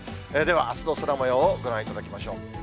ではあすの空もようをご覧いただきましょう。